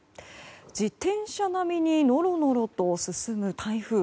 自転車並みにのろのろと進む台風。